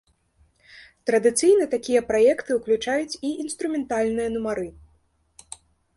Традыцыйна такія праекты ўключаюць і інструментальныя нумары.